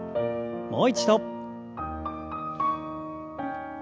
もう一度。